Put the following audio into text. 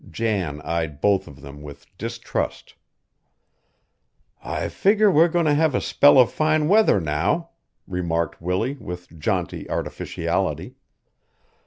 Jan eyed both of them with distrust "I figger we're goin' to have a spell of fine weather now," remarked Willie with jaunty artificiality.